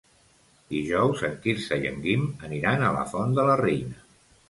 Dijous en Quirze i en Guim aniran a la Font de la Reina.